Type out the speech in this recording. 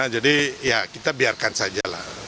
jadi ya kita biarkan saja lah